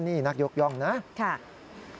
นี่นักยกย่องนะค่ะนี่นักยกย่องนะค่ะ